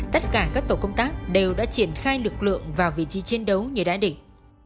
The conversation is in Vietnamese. tất cả các tổ công tác đều đã triển khai lực lượng vào vị trí chiến đấu như đã định